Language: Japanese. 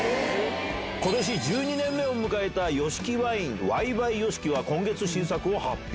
ことし１２年目を迎えたＹＯＳＨＩＫＩワイン、ＹｂｙＹＯＳＨＩＫＩは今月新作を発表。